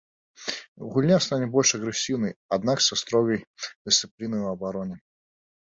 Гульня стане больш агрэсіўная, аднак са строгай дысцыплінай у абароне.